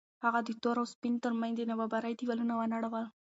هغه د تور او سپین تر منځ د نابرابرۍ دېوالونه ونړول.